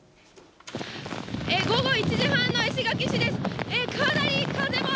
午後１時半の石垣市です。